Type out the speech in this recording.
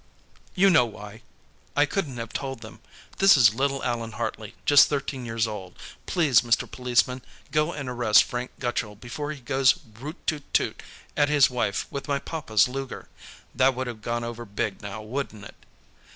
"You know why. I couldn't have told them, 'This is little Allan Hartley, just thirteen years old; please, Mr. Policeman, go and arrest Frank Gutchall before he goes root toot toot at his wife with my pappa's Luger.' That would have gone over big, now, wouldn't it?"